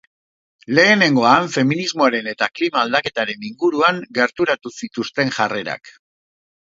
Lehenengoan feminismoaren eta klima aldaketaren inguruan gerturatu zituzten jarrerak.